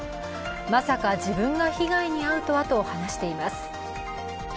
まさか自分が被害に遭うとはと話しています。